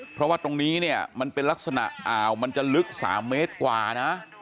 เพราะว่าตรงนี้เนี่ยมันเป็นลักษณะอ่าวมันจะลึก๓เมตรกว่านะ